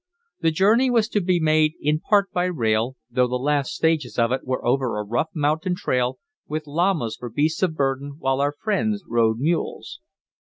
The journey was to be made in part by rail, though the last stages of it were over a rough mountain trail, with llamas for beasts of burden, while our friends rode mules.